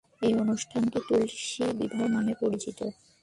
এই অনুষ্ঠানটি তুলসী বিবাহ নামে পরিচিত।